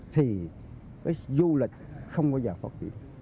thì du lịch không bao giờ có gì